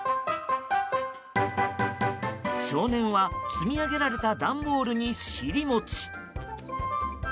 少年は積み上げられた段ボールに尻もち。